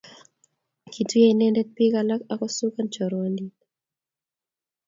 kituye inende biik alak akusakan chorwandit